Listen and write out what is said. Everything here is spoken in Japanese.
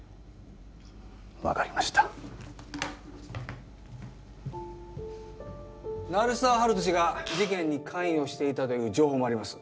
分かりました・鳴沢温人氏が事件に関与していたという情報もあります